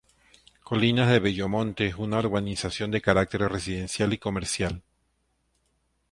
Colinas de Bello Monte, es una urbanización de carácter residencial y comercial.